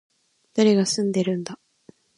誰が住んでいるんだ